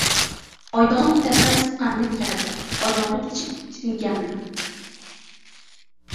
• Oyog‘i katta siqqanini kiyadi, oyog‘i kichik — suyganini.